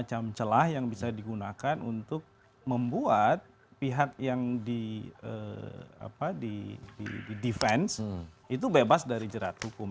semacam celah yang bisa digunakan untuk membuat pihak yang di defense itu bebas dari jerat hukum